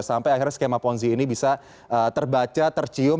sampai akhirnya skema ponzi ini bisa terbaca tercium